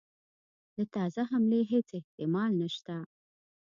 د تازه حملې هیڅ احتمال نسته.